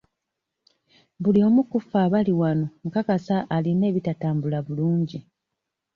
Buli omu ku ffe abali wano nkakasa alina ebitatambula bulungi.